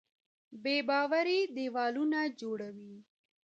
بېباوري دیوالونه جوړوي.